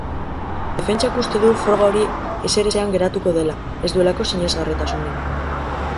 Defentsak uste du froga hori ezerezean geratuko dela, ez duelako sinesgarritasunik.